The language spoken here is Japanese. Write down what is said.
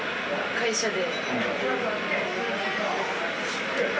会社で。